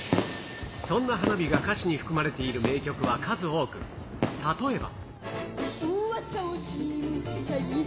そんな花火が歌詞に含まれている名曲は数多く、例えば。